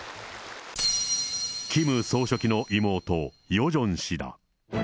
キム総書記の妹、ヨジョン氏だ。